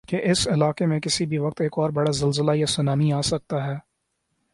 کہ اس علاقی میں کسی بھی وقت ایک اوربڑا زلزلہ یاسونامی آسکتا ہی۔